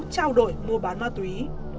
trao đổi mua bán ma túy